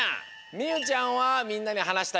みゆちゃんはみんなにはなしたいことなんですか？